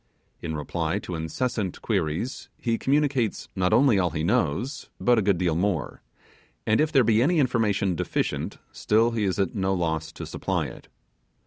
In reply to incessant queries, he communicates not only all he knows but a good deal more, and if there be any information deficient still he is at no loss to supply it.